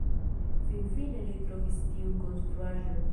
Finfine li trovis tiun konstruaĵon.